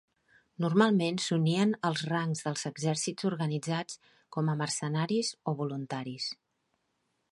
Normalment s'unien als rancs dels exèrcits organitzats com a mercenaris o voluntaris.